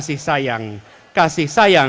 kasih sayang akan mencari kasih sayang